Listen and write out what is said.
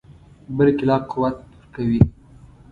بلکې لا قوت ورکوي.